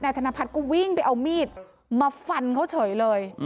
ธนพัฒน์ก็วิ่งไปเอามีดมาฟันเขาเฉยเลย